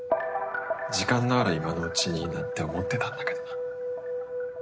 時間のある今のうちになんて思ってたんだけどな。